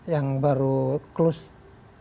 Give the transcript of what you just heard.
yang baru close